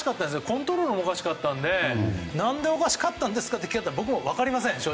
コントロールもおかしかったのでなぜおかしかったんですかと聞かれたら僕も正直分かりません。